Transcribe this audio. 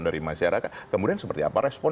dari masyarakat kemudian seperti apa respon